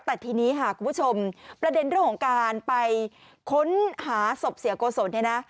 แต่ทีนี้ค่ะคุณผู้ชมประเด็นเรื่องของการไปค้นหาศพเสียโกศลเนี่ยนะ